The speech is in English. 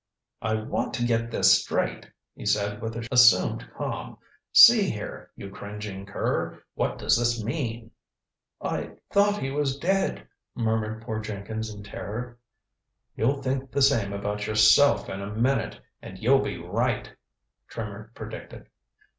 "I want to get this straight," he said with assumed calm. "See here, you cringing cur what does this mean?" "I thought he was dead," murmured poor Jenkins in terror. "You'll think the same about yourself in a minute and you'll be right," Trimmer predicted.